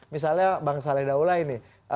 misalnya bang saleh daulah ini